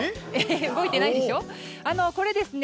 動いてないですよ。